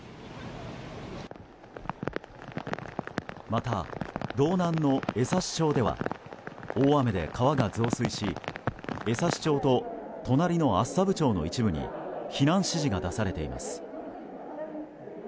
また、道南の江差町では大雨で川が増水し江差町と隣の厚沢部町の一部に避難指示が出されています。